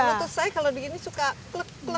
menurut saya kalau begini suka klik klik